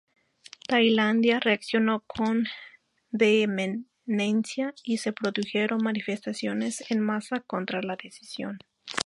Tailandia reaccionó con vehemencia y se produjeron manifestaciones en masa contra la decisión.